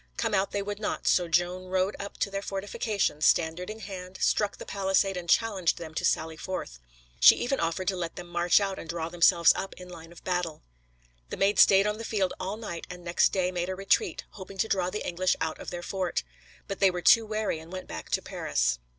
Come out they would not, so Joan rode up to their fortification, standard in hand, struck the palisade and challenged them to sally forth. She even offered to let them march out and draw themselves up in line of battle. The Maid stayed on the field all night and next day made a retreat, hoping to draw the English out of their fort. But they were too wary and went back to Paris.